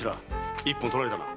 一本取られたな。